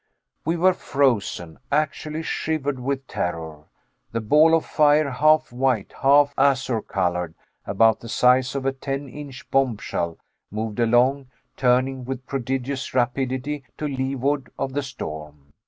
We were frozen, actually shivered with terror. The ball of fire, half white, half azure colored, about the size of a ten inch bombshell, moved along, turning with prodigious rapidity to leeward of the storm.